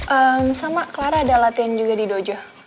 sama clara ada latihan juga di dojo